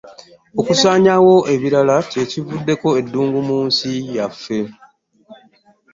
Okusaanyaawo ebibira kye kivuddeko eddungu mu nsi yaffe.